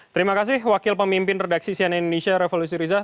terima kasih wakil pemimpin redaksi cnn indonesia revolusi rizah